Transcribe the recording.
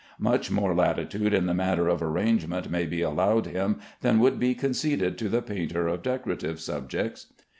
Much more latitude in the matter of arrangement may be allowed him than would be conceded to the painter of decorative subjects.